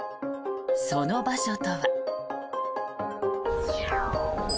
その場所とは。